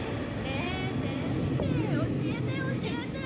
ねえ先生教えて教えて！